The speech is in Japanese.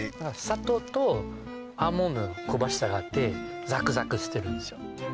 砂糖とアーモンドの香ばしさがあってザクザクしてるんですよ